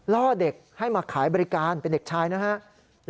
ล่อเด็กให้มาขายบริการเป็นเด็กชายนะครับ